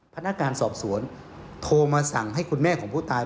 พนักงานสอบสวนโทรมาสั่งให้คุณแม่ของผู้ตาย